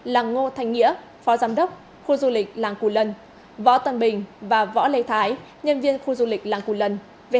là ngô thanh nghĩa phó giám đốc khu du lịch làng cù lần võ tân bình và võ lê thái nhân viên khu du lịch làng cù lần